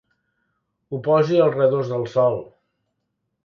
Ho posi al redós del sol.